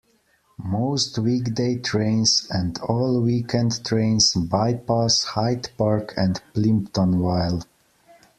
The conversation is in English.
Most weekday trains, and all weekend trains, bypass Hyde Park and Plimptonville.